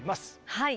はい。